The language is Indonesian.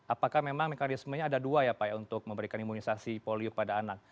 apakah memang mekanismenya ada dua ya pak ya untuk memberikan imunisasi polio pada anak